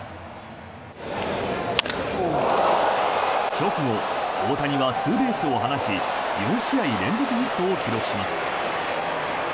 直後、大谷はツーベースを放ち４試合連続ヒットを記録します。